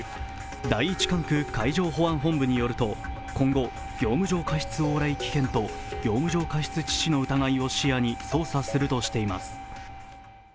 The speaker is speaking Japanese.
第一管区海上保安本部によると、今後、業務上過失往来危険と業務上過失致死の疑いを視野に捜査するとしています。